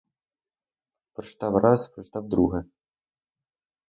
Прочитав раз, прочитав удруге.